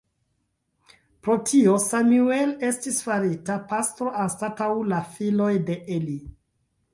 Pro tio, Samuel estis farita pastro anstataŭ la filoj de Eli.